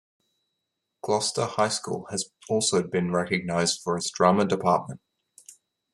Gloucester High School has also been recognized for its drama department.